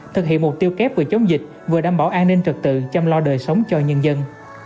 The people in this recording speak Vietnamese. thực hiện mục tiêu kép vừa chống dịch vừa đảm bảo an ninh trật tự chăm lo đời sống cho nhân dân